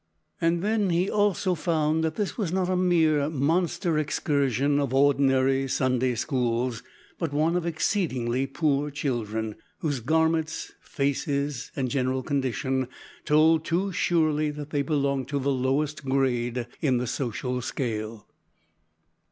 And then he also found that this was not a mere monster excursion of ordinary Sunday schools, but one of exceedingly poor children, whose garments, faces, and general condition, told too surely that they belonged to the lowest grade in the social scale.